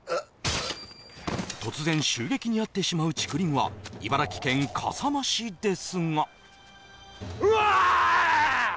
突然襲撃に遭ってしまう竹林は茨城県笠間市ですがうわーっ！